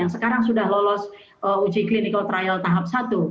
yang sekarang sudah lolos uji clinical trial tahap satu